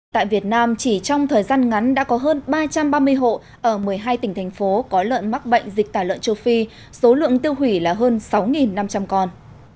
tại việt nam chỉ trong thời gian ngắn đã có hơn ba trăm ba mươi hộ ở một mươi hai tỉnh thành phố có lợn mắc bệnh dịch tả lợn châu phi số lượng tiêu hủy là hơn sáu năm trăm linh con